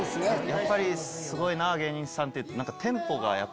やっぱりすごいな芸人さんって。